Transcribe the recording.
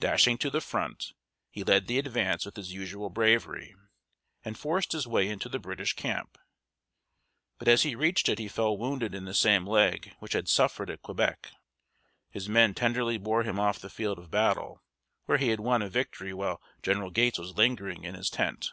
Dashing to the front, he led the advance with his usual bravery, and forced his way into the British camp. But as he reached it he fell wounded in the same leg which had suffered at Quebec. His men tenderly bore him off the field of battle, where he had won a victory while General Gates was lingering in his tent.